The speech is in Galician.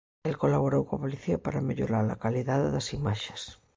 El colaborou coa policía para mellorar a calidade das imaxes.